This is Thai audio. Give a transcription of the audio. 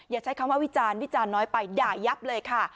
อย่าใช้คำว่าวิจารณ์วิจารณ์น้อยไปด่ายับเลยค่ะ